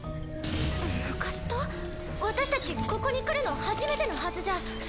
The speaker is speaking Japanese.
私たちここに来るの初めてのはずじゃ！